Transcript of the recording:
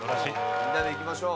みんなでいきましょう。